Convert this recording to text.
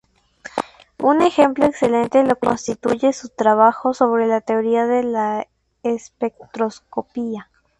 Un ejemplo excelente lo constituye su trabajo sobre la teoría de la espectroscopia.